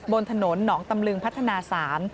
บนถนนหนองตำลึงพัฒนาศาล